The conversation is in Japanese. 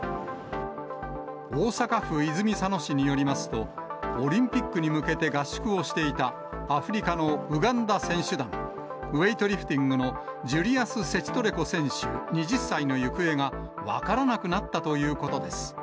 大阪府泉佐野市によりますと、オリンピックに向けて合宿をしていた、アフリカのウガンダ選手団、ウエイトリフティングのジュリアス・セチトレコ選手２０歳の行方が分からなくなったということです。